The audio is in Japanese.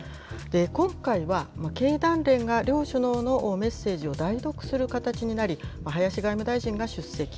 今回は、経団連が両首脳のメッセージを代読する形になり、林外務大臣が出席。